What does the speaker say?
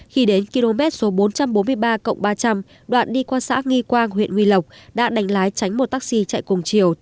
khi đến km số bốn trăm bốn mươi ba ba trăm linh đoạn đi qua xã nghi quang huyện nguy lộc đã đánh lái tránh một taxi chạy cùng chiều